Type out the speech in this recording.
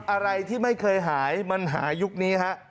อะไรที่ไม่เคยหายมันหายุคนี้ฮะ